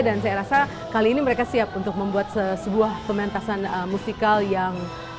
dan saya rasa kali ini mereka siap untuk membuat sebuah pementasan musikal yang lumayan besar